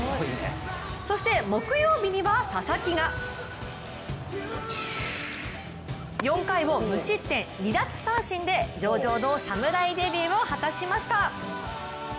そして木曜日には佐々木が４回を無失点、２奪三振で上々の侍デビューを果たしました。